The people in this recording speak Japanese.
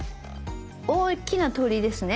大きな鳥居ですね。